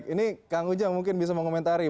ini kang ujang mungkin bisa mengomentari